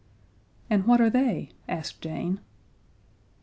"And what are they?" asked Jane.